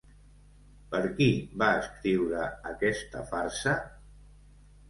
Per qui va escriure aquesta farsa?